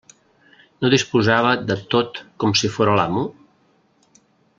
No disposava de tot com si fóra l'amo?